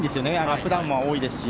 アップダウンも多いですし。